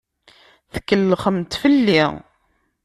Tkellxemt fell-i.